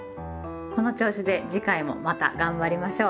この調子で次回もまた頑張りましょう！